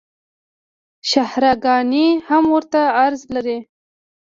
شاهراه ګانې هم ورته عرض لري